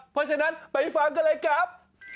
เพราะฉะนั้นไปฟังกันเลยครับ